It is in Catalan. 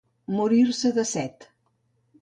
Morir-se de set.